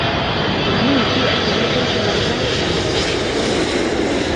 Mamie chii age netos ibabaita kobatee inye